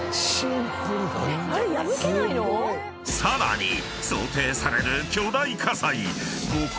［さらに想定される巨大火災］